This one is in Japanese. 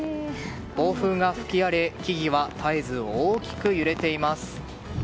暴風が吹き荒れ木々は絶えず大きく揺れています。